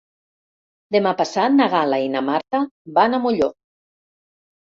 Demà passat na Gal·la i na Marta van a Molló.